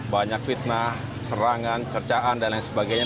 banyak fitnah serangan cercaan dan lain sebagainya